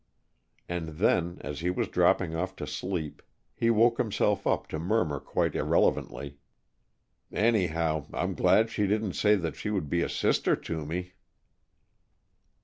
And then, as he was dropping off to sleep, he woke himself up to murmur quite irrelevantly, "Anyhow, I'm glad she didn't say that she would be a sister to me!"